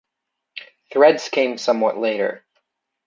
Threads came somewhat later.